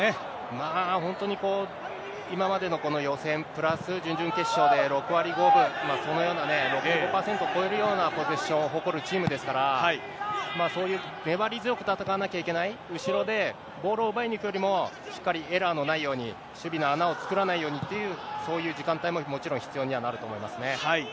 まあ、本当に今までのこの予選プラス準々決勝で、６割５分、このような６５％を超えるようなポゼッションを誇るチームですから、そういう粘り強く戦わなきゃいけない、後ろでボールを奪いに行くよりも、しっかりエラーのないように、守備の穴を作らないようにという、そういう時間帯も、もちろん必要にはなると思います